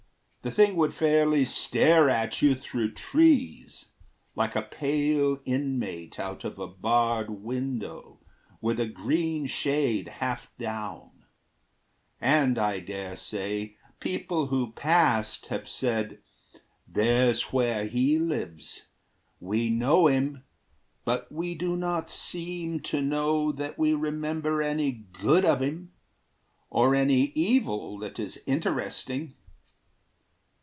The thing would fairly stare at you through trees, Like a pale inmate out of a barred window With a green shade half down; and I dare say People who passed have said: `There's where he lives. We know him, but we do not seem to know That we remember any good of him, Or any evil that is interesting.